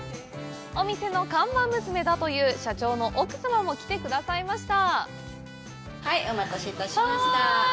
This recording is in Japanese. お店の看板娘だという社長の奥さんも来てくださいました。